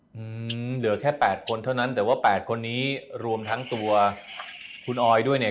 อืมเหลือแค่แปดคนเท่านั้นแต่ว่าแปดคนนี้รวมทั้งตัวคุณออยด้วยเนี่ย